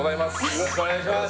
よろしくお願いします